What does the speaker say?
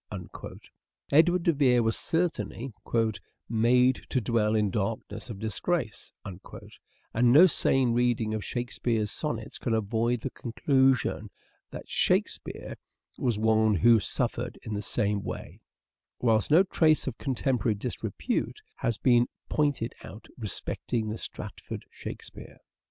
Edward de Vere was certainly " made to dwell in darkness of disgrace "; and no sane reading of Shakespeare's sonnets can avoid the conclusion that " Shakespeare " was one who suffered in the same way, whilst no trace of contemporary disrepute has been pointed out respecting the Stratford Shakspere.